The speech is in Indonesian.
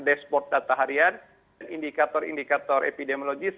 dashboard data harian dan indikator indikator epidemiologis